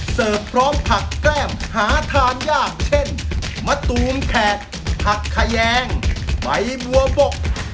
พร้อมผักแก้มหาทานยากเช่นมะตูมแขกผักขยงใบบัวบก